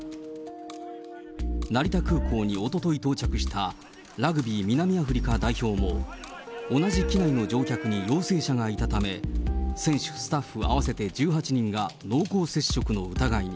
成田空港におととい到着した、ラグビー南アフリカ代表も、同じ機内の乗客に陽性者がいたため、選手、スタッフ合わせて１８人が、濃厚接触の疑いに。